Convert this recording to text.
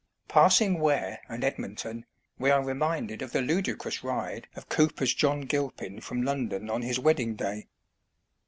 Passing Ware and Edmonton, we are reminded of the ludicrous ride of Cowper's John Gilpin from London on his wedding day.